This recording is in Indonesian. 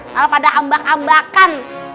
malah pada ambak ambakan